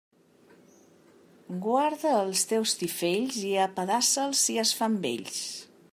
Guarda els teus tifells, i apedaça'ls si es fan vells.